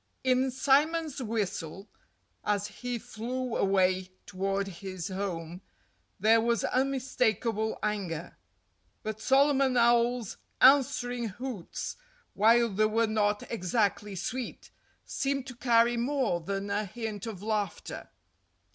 In Simon's whistle, as he flew away toward his home, there was unmistakable anger. But Solomon Owl's answering hoots—while they were not exactly sweet—seemed to carry more than a hint of laughter.